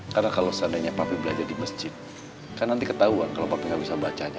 karena kalau seandainya papi belajar di masjid kan nanti ketauan kalau papi gak bisa bacanya